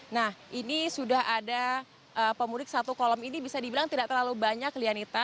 nah ini sudah ada pemudik satu kolom ini bisa dibilang tidak terlalu banyak lianita